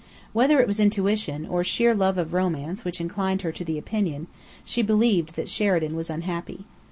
Whether it was intuition, or sheer love of romance which inclined her to the opinion, she believed that Sheridan was unhappy.